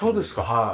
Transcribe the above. はい。